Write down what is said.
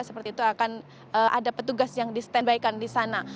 seperti itu akan ada petugas yang di stand by kan di sana